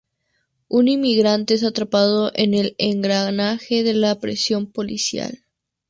Un inmigrante es atrapado en el engranaje de la represión policial.